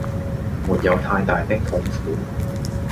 沒有太大的痛苦